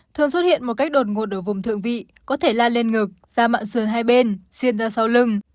thường xuất hiện một cách đột ngột ở vùng thượng vị có thể lan lên ngực ra mạng sườn hai bên xiên ra sau lưng